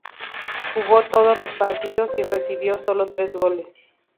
Jugó todos los partidos y recibió solo tres goles.